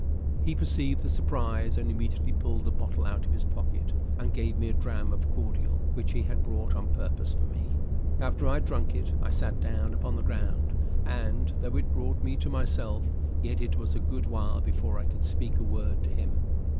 He perceived the surprise, and immediately pulled a bottle out of his pocket and gave me a dram of cordial, which he had brought on purpose for me. After I had drunk it, I sat down upon the ground; and, though it brought me to myself, yet it was a good while before I could speak a word to him.